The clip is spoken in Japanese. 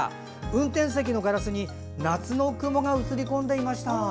運転席のガラスに夏の雲が写り込んでいました。